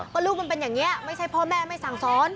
ก็ลูกมันเป็นอย่างนี้ไม่ใช่พ่อแม่ไม่สั่งสอน